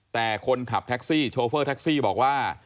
แต่คนขับแท็กซี่โชเฟอร์แท็กซี่บอกว่า